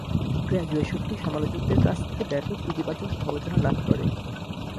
গ্র্যাজুয়েশনটি সমালোচকদের কাছ থেকে ব্যাপক ইতিবাচক সমালোচনা লাভ করে।